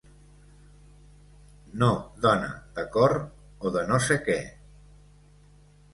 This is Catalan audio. No dona, de cor, o de no sé què.